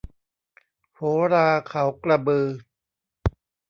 โหราเขากระบือ